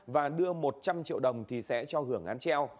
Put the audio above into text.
và đưa một trăm linh triệu đồng thì sẽ cho hưởng án treo